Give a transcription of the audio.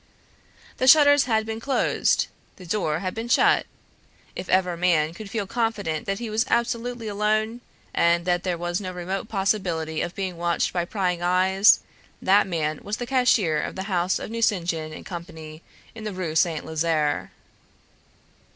The shutters had been closed, the door had been shut. If ever man could feel confident that he was absolutely alone, and that there was no remote possibility of being watched by prying eyes, that man was the cashier of the house of Nucingen and Company in the Rue Saint Lazare.